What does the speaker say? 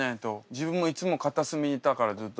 自分もいつも片隅いたからずっと。